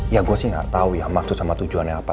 ya gue sih nggak tahu ya maksud sama tujuannya apa